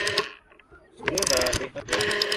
Together they had one child.